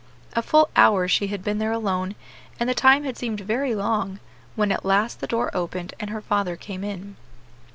A full hour she had been there alone, and the time had seemed very long, when at last the door opened and her father came in.